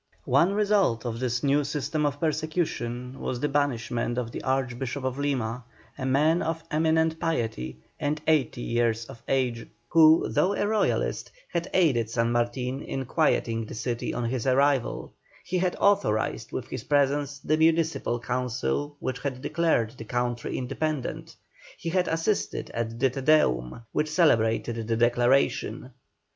One result of this new system of persecution, was the banishment of the Archbishop of Lima, a man of eminent piety and eighty years of age, who, though a Royalist, had aided San Martin in quieting the city on his arrival; he had authorized with his presence the municipal council which had declared the country independent; he had assisted at the Te Deum which celebrated the declaration.